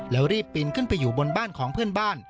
แล้วรีบปีนขึ้นไปอยู่บนบ้านของเพื่อนบ้าน